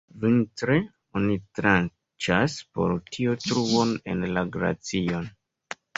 Vintre oni tranĉas por tio truon en la glacion.